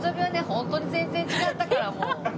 ホントに全然違ったからもう。